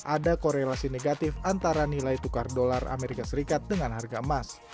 ada korelasi negatif antara nilai tukar dolar amerika serikat dengan harga emas